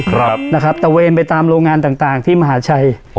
ครับนะครับตะเวนไปตามโรงงานต่างต่างที่มหาชัย